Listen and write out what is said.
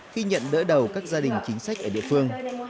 khi nhận đỡ đầu các gia đình chính sách ở địa phương